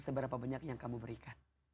seberapa banyak yang kamu berikan